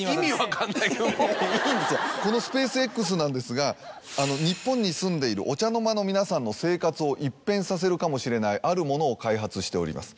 このＳｐａｃｅＸなんですが日本に住んでいるお茶の間の皆さんの生活を一変させるかもしれないあるものを開発しております。